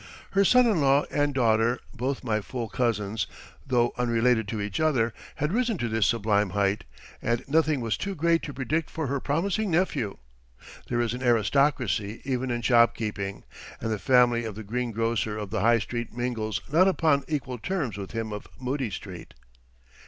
Her son in law and daughter, both my full cousins, though unrelated to each other, had risen to this sublime height, and nothing was too great to predict for her promising nephew. There is an aristocracy even in shopkeeping, and the family of the green grocer of the High Street mingles not upon equal terms with him of Moodie Street.